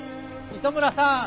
糸村さん！